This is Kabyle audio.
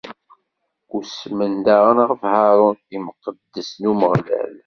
Usmen daɣen ɣef Harun, imqeddes n Umeɣlal.